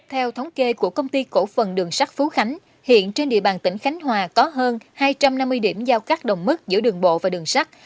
theo thống kê của công ty cổ phần đường sắt phú khánh hiện trên địa bàn tỉnh khánh hòa có hơn hai trăm năm mươi điểm giao cắt đồng mức giữa đường bộ và đường sắt